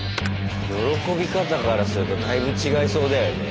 喜び方からするとだいぶ違いそうだよね。